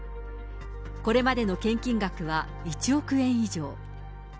これまでの献金額は１億円以上。